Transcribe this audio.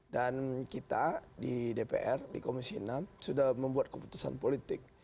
kita di dpr di komisi enam sudah membuat keputusan politik